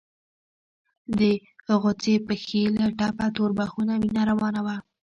د غوڅې پښې له ټپه تور بخونه وينه روانه وه.